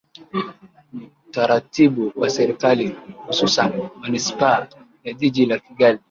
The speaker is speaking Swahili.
ni utaratibu wa serikali hususan manispaa ya jiji la kigali